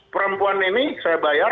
perempuan ini saya bayar